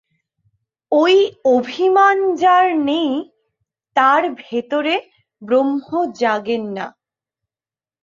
ঐ অভিমান যার নেই, তার ভেতরে ব্রহ্ম জাগেন না।